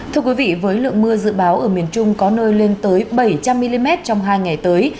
thưa quý vị với lượng mưa dự báo ở miền trung có nơi lên tới bảy trăm linh mm trong hai ngày tới